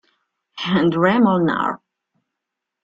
Endre Molnár